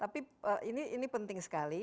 tapi ini penting sekali